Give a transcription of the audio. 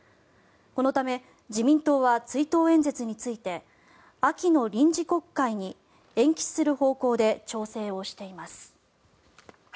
このため、自民党は追悼演説について秋の臨時国会に延期する方向で調整をしています。